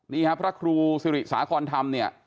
นี่ครับพระครูสิริสาคอนธรรมเนี่ย